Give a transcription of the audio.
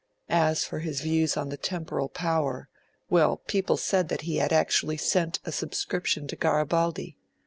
As for his views on the Temporal Power 'well, people said that he had actually sent a subscription to Garibaldi.